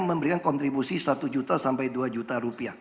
memberikan kontribusi satu juta sampai dua juta rupiah